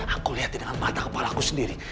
aku lihatnya dengan mata kepala aku sendiri